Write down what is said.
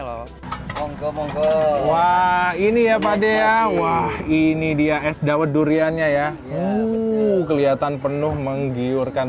loh monggo monggo wah ini ya pade ya wah ini dia es dawet duriannya ya uh kelihatan penuh menggiurkan